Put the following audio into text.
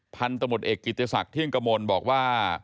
พันธุ์ตมติเอกกิจสักที่เยี่ยงกระมนบอกว่า